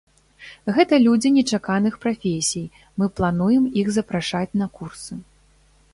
Гэта людзі нечаканых прафесій, мы плануем іх запрашаць на курсы.